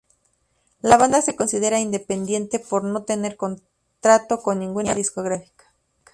La banda se considera independiente por no tener contrato con ninguna compañía discográfica.